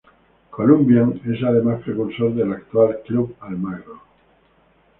Columbian es además precursor del actual Club Almagro.